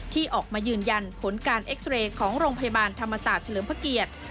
ที่ออกมายืนยันผลการเอ็กซ์เรย์ของโรงพยาบาลธรรมศาสตร์เฉลิมพระเกียรติ